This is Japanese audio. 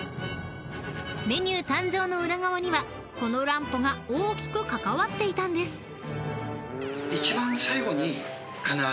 ［メニュー誕生の裏側にはこの乱歩が大きく関わっていたんです］